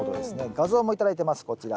画像も頂いてますこちら。